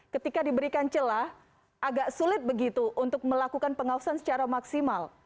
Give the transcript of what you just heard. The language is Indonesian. ketika diberikan celah agak sulit begitu untuk melakukan pengawasan secara maksimal